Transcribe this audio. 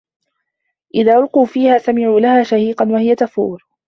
إِذا أُلقوا فيها سَمِعوا لَها شَهيقًا وَهِيَ تَفورُ